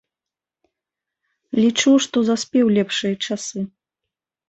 Лічу, што заспеў лепшыя часы.